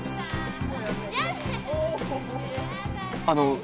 あの。